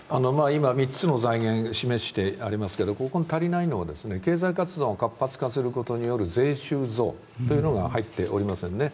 今、３つの財源、示していますがここに足りないのは経済活動が活発化することによる税収増というものが入っていませんね。